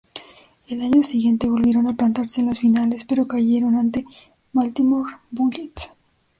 El año siguiente volvieron a plantarse en las Finales, pero cayeron ante Baltimore Bullets.